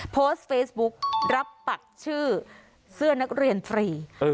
โพสต์เฟซบุ๊กรับปักชื่อเสื้อนักเรียนฟรี